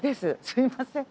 すいません。